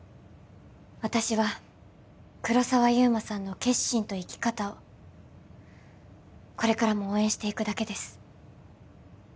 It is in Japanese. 私は黒澤祐馬さんの決心と生き方をこれからも応援していくだけです